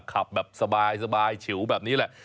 ขับแบบสบายฉิวแบบนี้แหละ